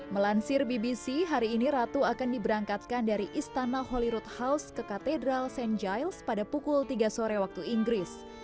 melansir bbc hari ini ratu akan diberangkatkan dari istana holly road house ke katedral st giles pada pukul tiga sore waktu inggris